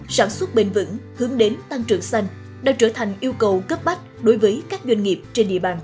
sản xuất bền vững hướng đến tăng trưởng xanh đã trở thành yêu cầu cấp bách đối với các doanh nghiệp trên địa bàn